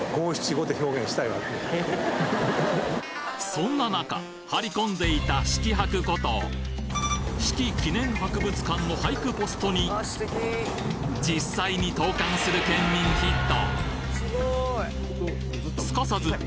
そんな中張り込んでいた子規博こと子規記念博物館の俳句ポストに実際に投函する県民ヒット！